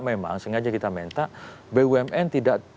memang sengaja kita minta bumn tidak